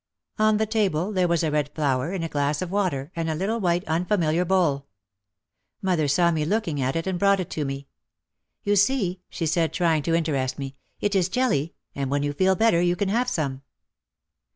On the table there was a red flower in a glass of water and a little white unfamiliar bowl. Mother saw me looking at it and brought it to me. "You see," she said trying to interest me, "it is jelly and when you feel better you can have some."